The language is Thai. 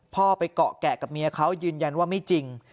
พ่อไปเกาะแกะกับเมียเขายืนยันว่าไม่จริง